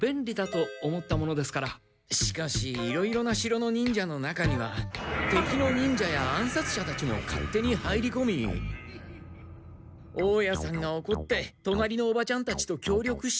しかしいろいろな城の忍者の中には敵の忍者や暗殺者たちも勝手に入りこみ大家さんがおこって隣のおばちゃんたちと協力して。